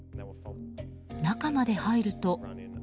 中まで入ると。